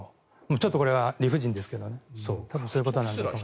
ちょっとこれは理不尽ですけどね多分そういうことだと思います。